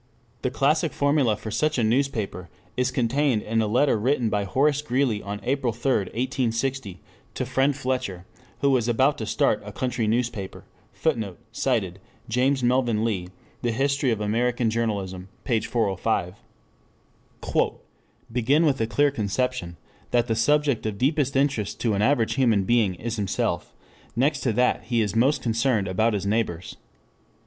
The classic formula for such a newspaper is contained in a letter written by Horace Greeley on April 3, 1860, to "Friend Fletcher" who was about to start a country newspaper: [Footnote: Cited, James Melvin Lee, The History of American Journalism, p. 405.] "I. Begin with a clear conception that the subject of deepest interest to an average human being is himself; next to that he is most concerned about his neighbors.